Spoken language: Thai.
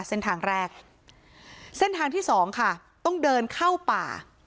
เส้นทางแรกเส้นทางที่สองค่ะต้องเดินเข้าป่า